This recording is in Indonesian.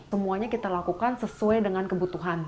semuanya kita lakukan sesuai dengan kebutuhan